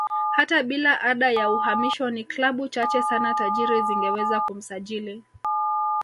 Hata bila ada ya uhamisho ni klabu chache sana tajiri zingeweza kumsajili